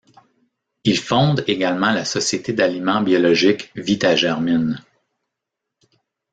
Il fonde également la société d’aliments biologiques Vitagermine.